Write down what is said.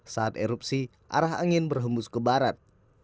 saat erupsi arah angin berhembus ke barat